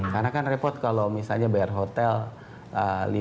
karena kan repot kalau misalnya bayar hotel lima harga